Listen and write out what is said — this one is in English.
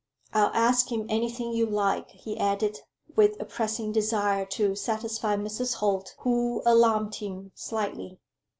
"I'll ask him anything you like," he added, with a pressing desire to satisfy Mrs. Holt, who alarmed him slightly.